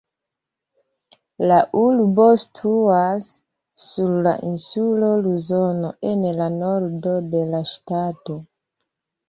La urbo situas sur la insulo Luzono, en la nordo de la ŝtato.